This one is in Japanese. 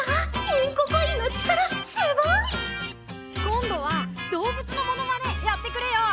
インココインの力すごい！今度は動物のモノマネやってくれよ！